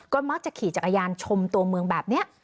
ก็มักจะขี่จักรยานชมตัวเมืองแบบนี้